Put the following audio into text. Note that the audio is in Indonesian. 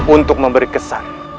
untuk memberi kesan